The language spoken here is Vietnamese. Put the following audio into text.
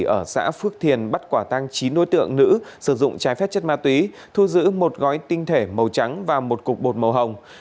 ở xã phước thiền bắt quả tăng chín đối tượng nữ sử dụng trái phép chất ma túy thu giữ một gói tinh thể màu trắng và một cục bột màu hồng